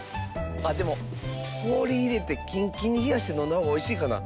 あっでもこおりいれてキンキンにひやしてのんだほうがおいしいかな。